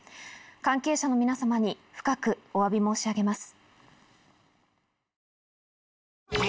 関係者の皆様に深くおわび申し上げます。